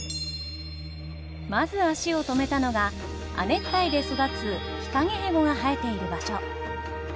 まず足を止めたのが亜熱帯で育つヒカゲヘゴが生えている場所。